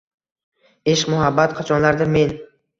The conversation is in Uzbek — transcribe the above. Ishq-muhabbat — qachonlardir men